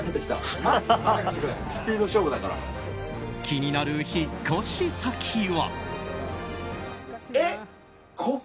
気になる引っ越し先は。